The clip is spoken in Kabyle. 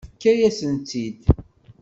Tefka-yas-tt-id.